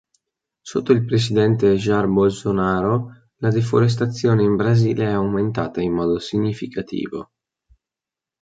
Sotto il presidente Jair Bolsonaro la deforestazione in Brasile è aumentata in modo significativo.